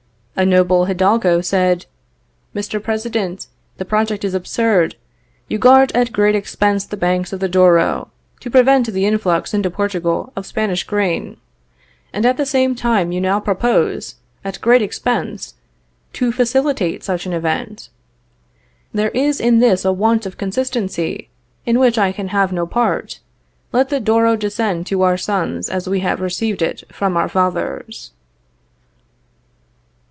A noble Hidalgo said: Mr. President, the project is absurd. You guard at great expense the banks of the Douro, to prevent the influx into Portugal of Spanish grain, and at the same time you now propose, at great expense, to facilitate such an event. There is in this a want of consistency in which I can have no part. Let the Douro descend to our Sons as we have received it from our Fathers.